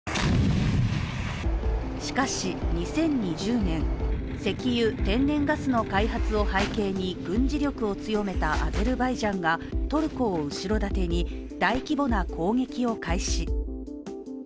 しかし２０２０年、石油・天然ガスの開発を背景に軍事力を強めたアゼルバイジャンがトルコを後ろ盾に大規模な攻撃を開始。